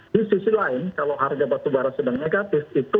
di sisi lain kalau harga batubara sedang negatif